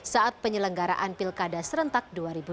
saat penyelenggaraan pilkada serentak dua ribu dua puluh